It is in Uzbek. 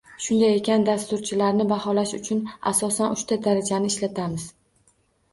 Shunday ekan, dasturchilarni baholash uchun asosan uchta darajani ishlatamiz